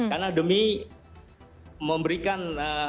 karena demi memberikan